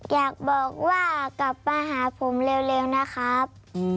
อยากบอกว่ากลับมาหาผมเร็วนะครับ